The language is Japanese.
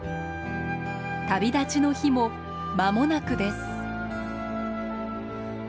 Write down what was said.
旅立ちの日もまもなくです。